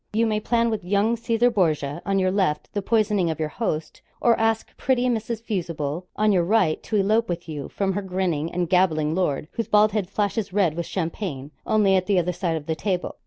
You may plan with young Caesar Borgia, on your left, the poisoning of your host; or ask pretty Mrs. Fusible, on your right, to elope with you from her grinning and gabbling lord, whose bald head flashes red with champagne only at the other side of the table.